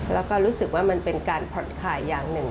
แล้วก็รู้สึกว่ามันเป็นการผ่อนขายอย่างหนึ่ง